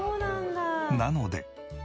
なので。